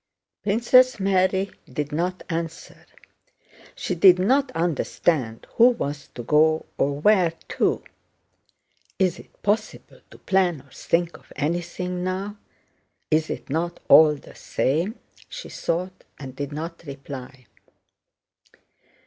Princess Mary did not answer. She did not understand who was to go or where to. "Is it possible to plan or think of anything now? Is it not all the same?" she thought, and did not reply.